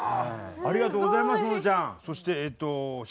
ありがとうございます。